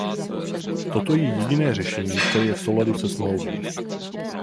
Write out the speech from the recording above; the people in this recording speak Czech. To je jediné řešení, které je v souladu se Smlouvou.